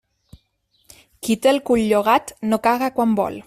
Qui té el cul llogat no caga quan vol.